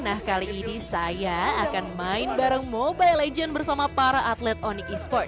nah kali ini saya akan main bareng mobile legends bersama para atlet onyx esports